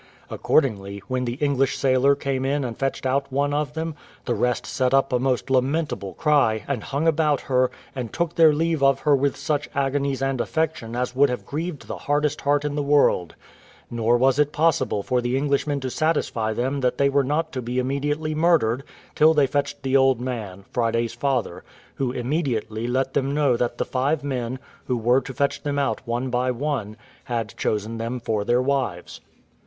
Accordingly, when the English sailor came in and fetched out one of them, the rest set up a most lamentable cry, and hung about her, and took their leave of her with such agonies and affection as would have grieved the hardest heart in the world: nor was it possible for the Englishmen to satisfy them that they were not to be immediately murdered, till they fetched the old man, Friday's father, who immediately let them know that the five men, who were to fetch them out one by one, had chosen them for their wives.